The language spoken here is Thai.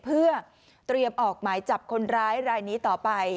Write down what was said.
เพื่อเตรียมออกหมายจับคนร้ายรายนี้ต่อไป